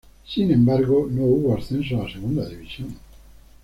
Sin embargo, no hubo ascensos a Segunda División.